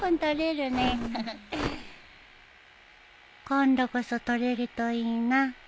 今度こそとれるといいな